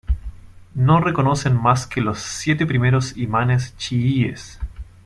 No reconocen más que los siete primeros imanes chiíes.